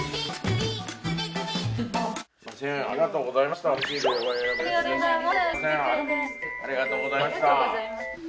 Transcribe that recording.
すみませんありがとうございました。